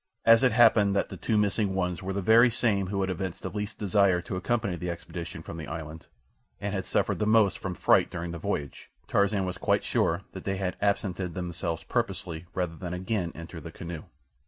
As it happened that the two missing ones were the very same who had evinced the least desire to accompany the expedition from the island, and had suffered the most from fright during the voyage, Tarzan was quite sure that they had absented themselves purposely rather than again enter the canoe.